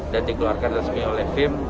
dan dikeluarkan resmi oleh fim